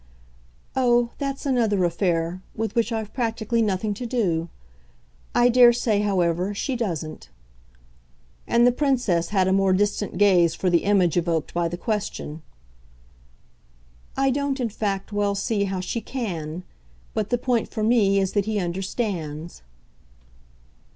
"Oh, that's another affair with which I've practically nothing to do. I dare say, however, she doesn't." And the Princess had a more distant gaze for the image evoked by the question. "I don't in fact well see how she CAN. But the point for me is that he understands."